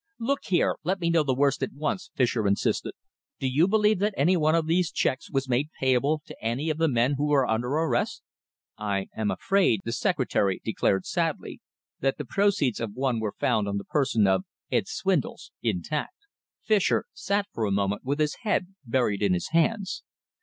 "Look here, let me know the worst at once," Fischer insisted. "Do you believe that any one of those cheques was made payable to any of the men who are under arrest?" "I am afraid," the secretary declared sadly, "that the proceeds of one were found on the person of Ed. Swindles, intact." Fischer sat for a moment with his head buried in his hands.